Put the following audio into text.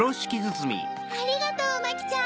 ありがとうマキちゃん。